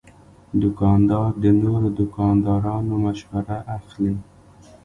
دوکاندار د نورو دوکاندارانو مشوره اخلي.